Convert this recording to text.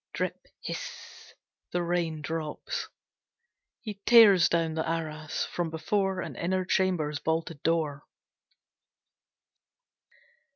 Drip hiss the rain drops. He tears down the arras from before an inner chamber's bolted door.